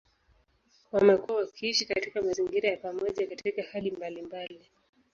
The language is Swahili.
Wamekuwa wakiishi katika mazingira ya pamoja katika hali mbalimbali.